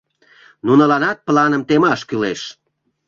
— Нуныланат планым темаш кӱлеш.